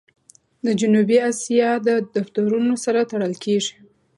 د جنوبي آسیا د دفترونو سره تړل کېږي.